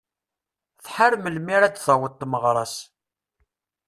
Tḥar melmi ara d-taweḍ tmeɣra-s.